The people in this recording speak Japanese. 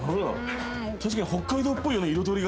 確かに北海道っぽいよね彩りがね。